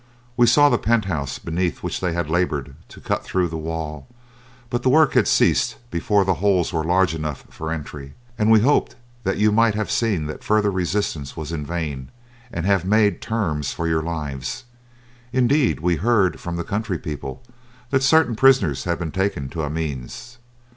We saw the penthouse beneath which they had laboured to cut through the wall, but the work had ceased before the holes were large enough for entry, and we hoped that you might have seen that further resistance was in vain, and have made terms for your lives; indeed we heard from the country people that certain prisoners had been taken to Amiens.